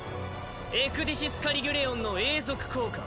エクディシス・カリギュレオンの永続効果。